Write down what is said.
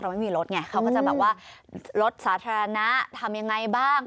ไม่มีรถไงเขาก็จะแบบว่ารถสาธารณะทำยังไงบ้าง